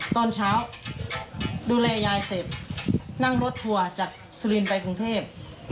ตอนเช้าดูแลยายเสธนั่นวนโทวจากซิรินไปกรุงเทพ